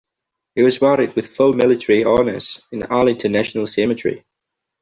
He was buried with full military honors in Arlington National Cemetery.